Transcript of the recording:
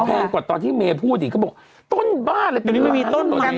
แพงกว่าตอนที่เมย์พูดอีกเขาบอกต้นบ้าเลยต้นไม่มีต้นใหม่